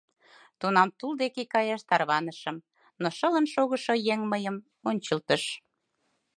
Тунам тул деке каяш тарванышым, но шылын шогышо еҥ мыйым ончылтыш.